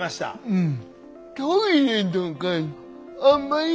うん。